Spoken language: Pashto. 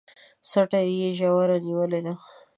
څټه يې ژوره نيولې ده